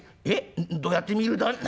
えっどうやって見るだ？」。